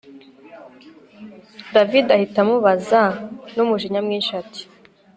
david ahita amubaza numujinya mwinshi ati